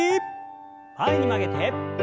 前に曲げて。